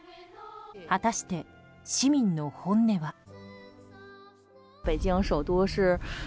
果たして、市民の本音は。